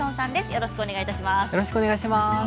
よろしくお願いします。